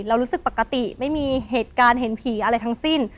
รู้สึกปกติไม่มีเหตุการณ์เห็นผีอะไรทั้งสิ้น